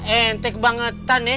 ente kebangetan ya